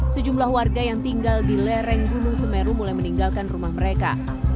sejumlah warga yang tinggal di lereng gunung semeru mulai meninggalkan rumah mereka